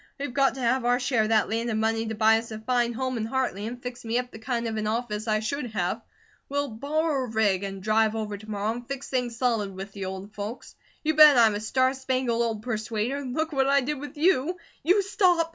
We've got to have our share of that land and money to buy us a fine home in Hartley, and fix me up the kind of an office I should have. We'll borrow a rig and drive over to morrow and fix things solid with the old folks. You bet I'm a star spangled old persuader, look what I did with you " "You stop!"